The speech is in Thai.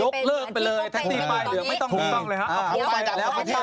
ลืกเลิกไปเลยแท็กซี่ไป